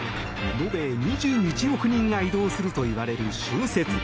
延べ２１億人が移動するといわれる春節。